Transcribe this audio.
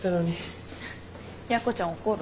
やこちゃん怒る？